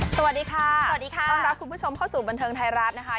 สวัสดีค่ะสวัสดีค่ะต้องรับคุณผู้ชมเข้าสู่บันเทิงไทยรัฐนะคะ